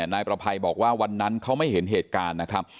นายประภัยบอกว่าวันนั้นเขาไม่เห็นเหตุการณ์นะครับ